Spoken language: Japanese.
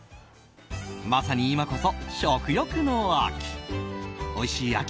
まさに今こそ食欲の秋！